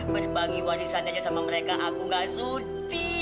berbangi warisan aja sama mereka aku nggak sudi